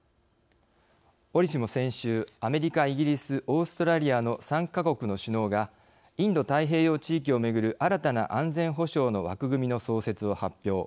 おりしも先週アメリカイギリスオーストラリアの３か国の首脳がインド太平洋地域をめぐる新たな安全保障の枠組みの創設を発表。